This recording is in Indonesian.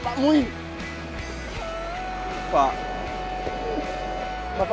kau mencari hatiku